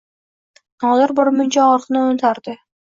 Nodir birmuncha og‘riqni unutardi.